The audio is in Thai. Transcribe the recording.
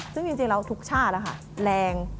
ซึ่งจริงแล้วทุกชาติแรง